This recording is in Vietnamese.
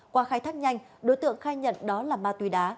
qua khai thác nhanh đối tượng khai nhận đó là ma túy đá